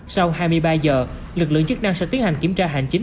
sau hai mươi ba giờ lực lượng chức năng sẽ tiến hành kiểm tra hành chính